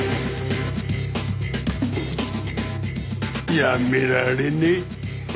やめられねえ。